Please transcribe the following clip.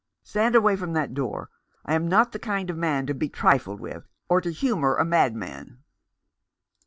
"Stand away from that door. I am not the kind of man to be trifled with, or to humour a madman."